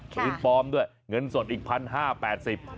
ปืนปลอมด้วยเงินสดอีก๑๕๘๐บาท